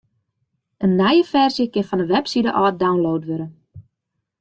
In nije ferzje kin fan de webside ôf download wurde.